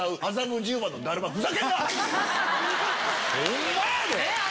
ホンマやで！